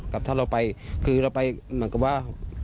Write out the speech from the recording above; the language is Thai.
ถ้าเราไปคือเราไปเหมือนกับว่า